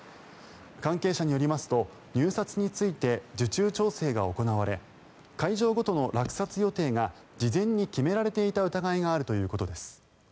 関係者によりますと入札について受注調整が行われ会場ごとの落札予定が事前に決められていた疑いがあるということです。